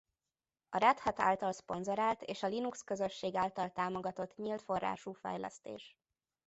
A Red Hat által szponzorált és a Linux közösség által támogatott nyílt forrású fejlesztés.